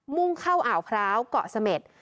่งเข้าอ่าวพร้าวเกาะเสม็ด